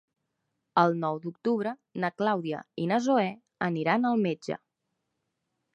El nou d'octubre na Clàudia i na Zoè aniran al metge.